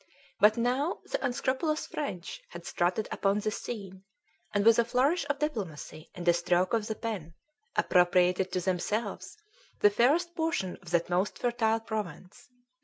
But now the unscrupulous French had strutted upon the scene, and with a flourish of diplomacy and a stroke of the pen appropriated to themselves the fairest portion of that most fertile province.